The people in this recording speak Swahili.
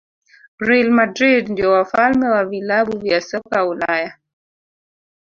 real madrid ndio wafalme wa vilabu vya soka ulaya